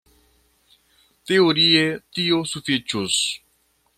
Teorie tio sufiĉus.